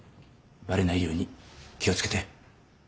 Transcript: バレないように気を付けて。